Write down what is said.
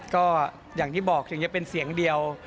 ก็อย่างที่บอกถึงจะเป็นเสียงเดียว